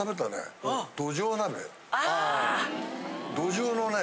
どじょうのね